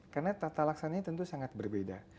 karena tata laksananya tentu sangat berbeda